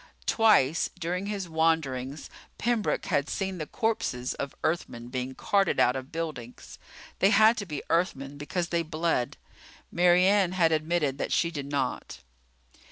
Twice during his wanderings Pembroke had seen the corpses of Earthmen being carted out of buildings. They had to be Earthmen because they bled. Mary Ann had admitted that she did not.